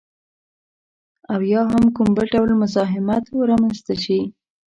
او یا هم کوم بل ډول مزاحمت رامنځته شي